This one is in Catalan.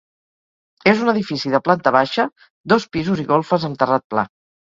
És un edifici de planta baixa, dos pisos i golfes amb terrat pla.